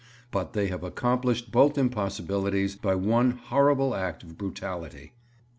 But they have accomplished both impossibilities by one horrible act of brutality.'